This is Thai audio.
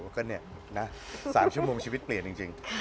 ก็เนี่ยนะ๓ชั่วโมงชีวิตเปลี่ยนจริง